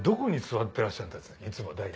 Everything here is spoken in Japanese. いつも大体。